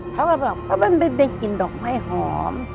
พระเกียวบอกว่ามันเป็นกลิ่นดอกไม้หอม